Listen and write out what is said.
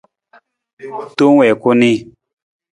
Tong wii ku nii.